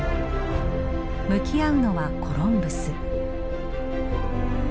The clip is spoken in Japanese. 向き合うのはコロンブス。